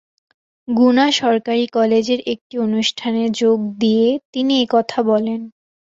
গুনা সরকারি কলেজের একটি অনুষ্ঠানে যোগ দিয়ে তিনি এ কথা বলেন।